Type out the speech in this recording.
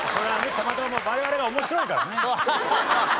たまたま我々が面白いからね。